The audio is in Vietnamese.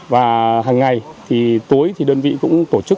và hàng ngày thì tối thì đơn vị cũng tổ chức